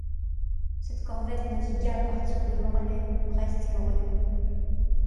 Cette corvette navigua à partir de Morlaix, Brest et Lorient.